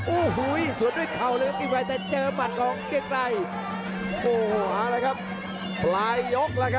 อู๋หูยสวนด้วยเข้าเลย